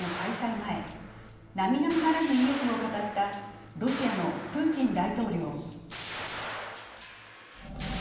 前、並々ならぬ意欲を語ったロシアのプーチン大統領。